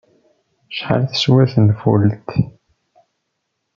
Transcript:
Acḥal teswa tenfult?